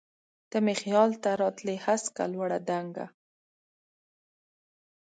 ته مي خیال ته راتلی هسکه، لوړه، دنګه